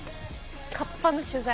カッパの取材。